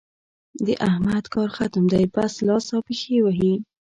د احمد کار ختم دی؛ بس لاس او پښې وهي.